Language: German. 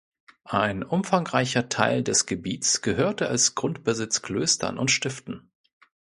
Ein umfangreicher Teil des Gebiets gehörte als Grundbesitz Klöstern und Stiften.